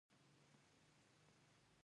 سیندونه د افغان ښځو په ژوند کې رول لري.